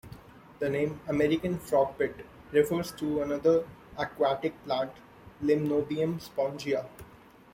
The name "American frogbit" refers to another aquatic plant, "Limnobium spongia".